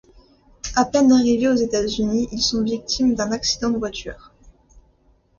À peine arrivés aux États-Unis, ils sont victimes d'un accident de voiture.